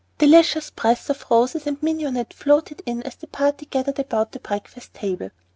Delicious breaths of roses and mignonette floated in as the party gathered about the breakfast table.